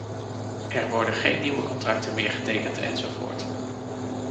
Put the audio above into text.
Er worden geen nieuwe contracten meer getekend enzovoort.